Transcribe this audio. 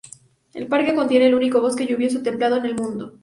El parque contiene el único bosque lluvioso templado en el mundo.